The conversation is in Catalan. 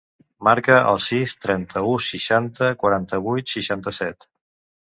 Marca el sis, trenta-u, seixanta, quaranta-vuit, seixanta-set.